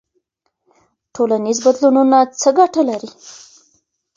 ټولنیز بدلونونه څه ګټه لري؟